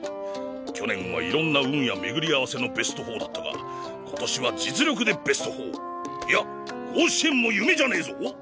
去年はいろんな運や巡り合わせのベスト４だったが今年は実力でベスト４いや甲子園も夢じゃねぇぞ！